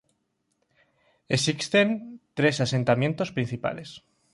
Existen tres asentamientos principales.